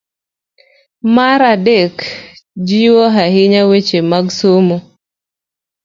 Mar adek, jiwo ahinya weche mag somo